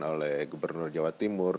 oleh gubernur jawa timur